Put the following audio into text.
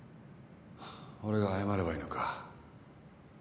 俺が謝ればいいのか？